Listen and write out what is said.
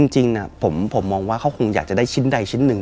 จริงผมมองว่าเขาคงอยากจะได้ชิ้นใดชิ้นหนึ่ง